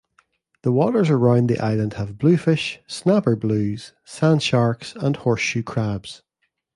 The waters around the island have bluefish, snapper blues, sand sharks, and horseshoe crabs.